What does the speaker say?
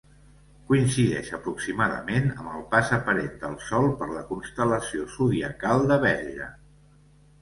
Coincideix aproximadament amb el pas aparent del Sol per la constel·lació zodiacal de Verge.